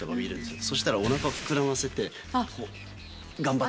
そしたらおなかを膨らませて、頑張って。